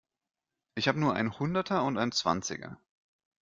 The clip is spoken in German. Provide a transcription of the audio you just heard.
Ich habe nur einen Hunderter und einen Zwanziger.